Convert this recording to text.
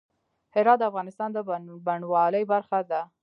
هرات د افغانستان د بڼوالۍ برخه ده.